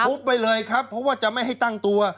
ไปเลยครับเพราะว่าจะไม่ให้ตั้งตัว